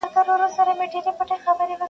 • هغوی د پېښي انځورونه اخلي..